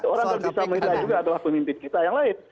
orang yang bisa menilai juga adalah pemimpin kita yang lain